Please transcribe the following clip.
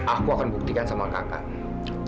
aku akan buktikan sama kakaknya